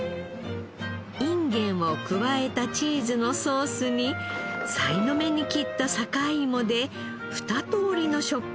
インゲンを加えたチーズのソースにさいの目に切った坂井芋で２通りの食感にしたら。